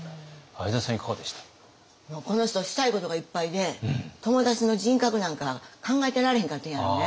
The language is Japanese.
この人したいことがいっぱいで友達の人格なんか考えてられへんかったんやろね。